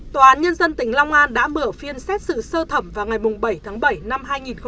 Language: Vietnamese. tòa án nhân dân tỉnh long an đã mở phiên xét sự sơ thẩm vào ngày bảy tháng bảy năm hai nghìn hai mươi hai